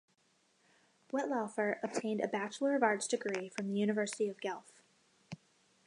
Wettlaufer obtained a Bachelor of Arts degree from the University of Guelph.